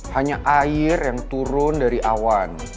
hanya air yang turun dari awan